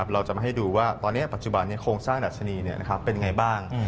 เราจะมาให้ดูว่าตอนนี้ปัจจุบันโครงสร้างดัชนีเป็นไงบ้าง